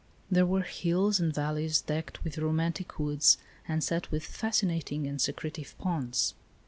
There were hills and valleys decked with romantic woods and set with fascinating and secretive ponds.